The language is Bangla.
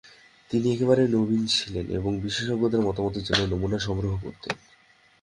তিনি একেবারেই নবীন ছিলেন এবং বিশেষজ্ঞদের মতামতের জন্যে নমুনা সংগ্রহ করতেন।